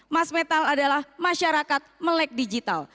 mas metal adalah masyarakat melek digital